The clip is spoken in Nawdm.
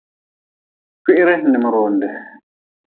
Kwiri n mionde.